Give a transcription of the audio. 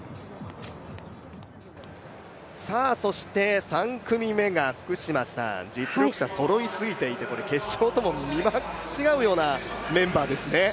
そして３組目が実力者、そろいすぎていて決勝とも見間違うようなメンバーですね。